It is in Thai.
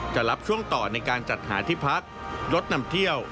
จะรับช่วงต่อในการจัดหาที่พักยดนำเที่ยว